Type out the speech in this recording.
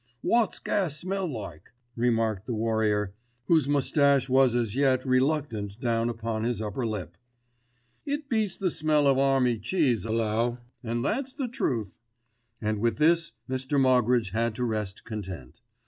"Wot's gas smell like?" remarked the warrior, whose moustache was as yet reluctant down upon his upper lip. "It beats the smell of army cheese 'ollow, an' that's the truth." And with this Mr. Moggridge had to rest content.